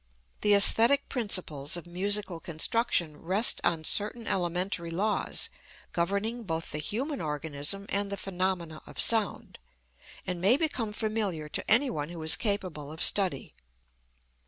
The æsthetic principles of musical construction rest on certain elementary laws governing both the human organism and the phenomena of sound, and may become familiar to any one who is capable of study.